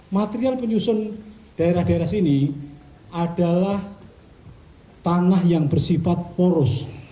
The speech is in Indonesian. material penyusun daerah daerah sini adalah tanah yang bersifat poros